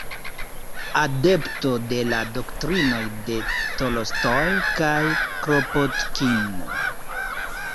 Adepto de la doktrinoj de Tolstoj kaj Kropotkin.